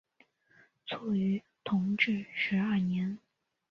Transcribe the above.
卒于同治十二年。